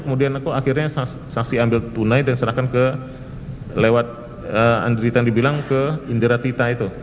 kemudian aku akhirnya saksi ambil tunai dan serahkan ke lewat andritan dibilang ke indera tita itu